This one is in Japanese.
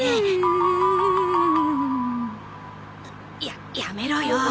ややめろよ。